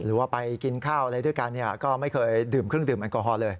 หรือว่าไปกินข้าวอะไรด้วยกันก็ไม่เคยดื่มเครื่องดื่มแอลกอฮอลเลย